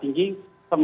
juga harus berubah